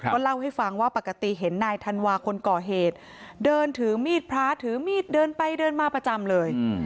ก็เล่าให้ฟังว่าปกติเห็นนายธันวาคนก่อเหตุเดินถือมีดพระถือมีดเดินไปเดินมาประจำเลย